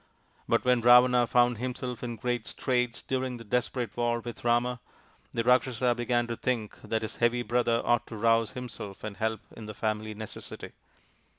But when Ravana found himself in great straits during the desperate war with Rama, the Rakshasa began to think that his heavy brother ought to rouse himself and help in the family necessity.